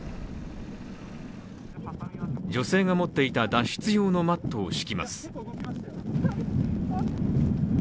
女性が持っていた脱出用のマットを敷きます。